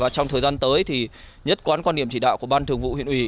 trong thời gian tới thì nhất quán quan điểm chỉ đạo của ban thường vụ huyện ủy